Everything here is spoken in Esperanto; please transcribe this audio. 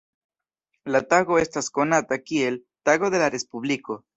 La tago estas konata kiel "Tago de la Respubliko".